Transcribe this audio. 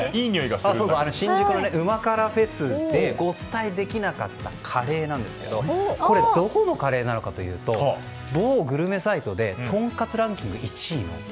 新宿の旨辛ＦＥＳでお伝えできなかったカレーなんですけどどこのカレーなのかというと某グルメサイトでとんかつランキング